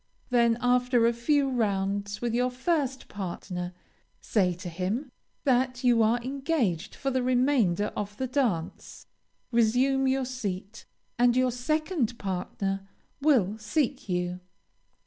Then, after a few rounds with your first partner, say to him that you are engaged for the remainder of the dance, resume your seat, and your second partner will seek you.